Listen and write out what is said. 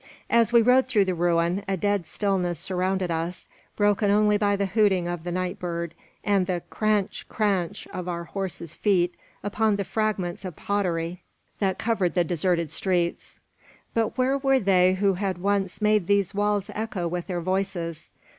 As we rode through the ruin, a dead stillness surrounded us, broken only by the hooting of the night bird, and the "cranch cranch" of our horses' feet upon the fragments of pottery that covered the deserted streets. But where were they who had once made these walls echo with their voices?